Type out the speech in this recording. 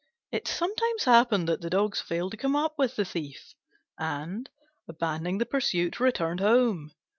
It sometimes happened that the dogs failed to come up with the thief, and, abandoning the pursuit, returned home.